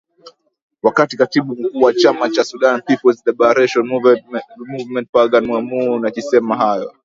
wakati katibu mkuu wa chama cha sudan peoples liberation movement pargan amoon akisema hayo